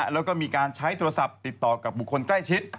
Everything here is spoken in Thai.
แล้วก็มีการใช้โทรศัพท์ติดต่อกับบุคคลใกล้ชิด